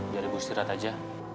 biar ibu istirahat aja